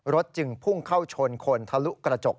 จึงพุ่งเข้าชนคนทะลุกระจก